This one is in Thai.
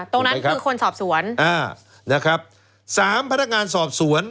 ตรงนั้นคือคนสอบสวนอ่านะครับสามพนักงานสอบสวน